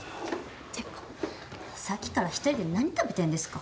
てかさっきから１人で何食べてんですか？